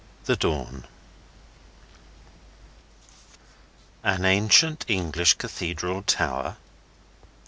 THE DAWN An ancient English Cathedral Tower?